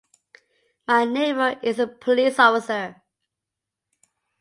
My neighbor is a police officer.